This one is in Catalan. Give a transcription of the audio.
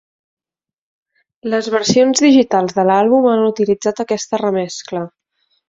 Les versions digitals de l'àlbum han utilitzat aquesta remescla.